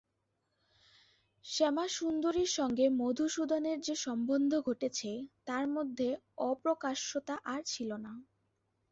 শ্যামাসুন্দরীর সঙ্গে মধুসূদনের যে সম্বন্ধ ঘটেছে তার মধ্যে অপ্রকাশ্যতা আর ছিল না।